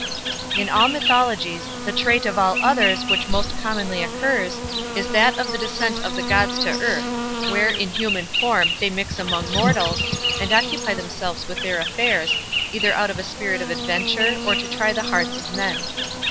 In all mythologies, the trait of all others which most commonly occurs, is that of the descent of the Gods to earth, where, in human form, they mix among mortals, and occupy themselves with their affairs, either out of a spirit of adventure, or to try the hearts of men.